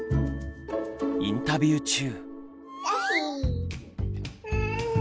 インタビュー中。